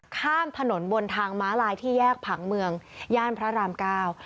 ข้ามถนนบนทางม้าลายที่แยกผังเมืองย่านพระรามเก้า